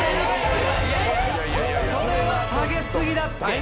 それは下げすぎだって